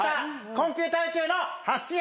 コンピューター宇宙のはっしー